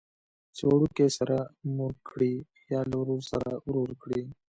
چې وړوکي سره مور کړي یا له ورور سره ورور کړي.